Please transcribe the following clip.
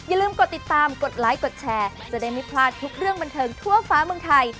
อย่าลืมกดติดตามกดไลค์กดแชร์จะได้ไม่พลาดทุกเรื่องบันเทิงทั่วฟ้าเมืองไทย